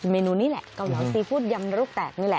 เมนูนี้แหละเก่าเหล้าซีฟุตยำรุกแตก